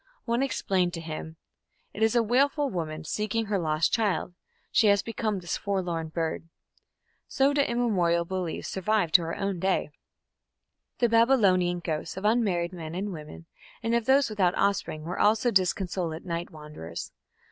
One explained to him: "It is a wailful woman seeking her lost child; she has become this forlorn bird". So do immemorial beliefs survive to our own day. The Babylonian ghosts of unmarried men and women and of those without offspring were also disconsolate night wanderers.